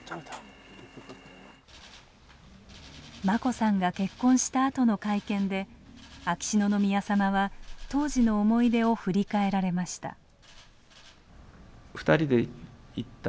眞子さんが結婚したあとの会見で秋篠宮さまは当時の思い出を振り返られました。